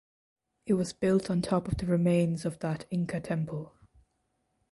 It was built on top of the remains of that Inca temple.